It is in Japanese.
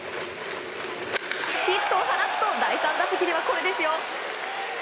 ヒットを放つと第３打席ではこれですよ。